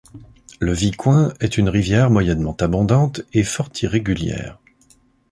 Le Vicoin est une rivière moyennement abondante et fort irrégulière.